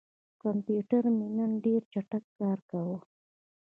کمپیوټر مې نن ډېر چټک کار کاوه.